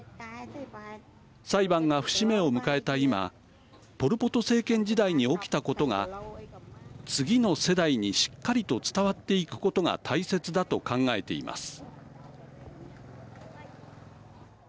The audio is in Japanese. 裁判が節目を迎えた今ポル・ポト政権時代に起きたことが次の世代にしっかりと伝わっていくことが大切だと考えています。